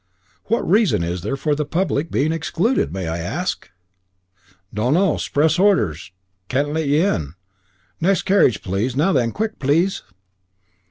"What reason is there for the public's being excluded, may I ask?" "Dn'ow, 'spress ord'rs c'n't let you in; next caridge, pl'se; now then, quick, pl'se."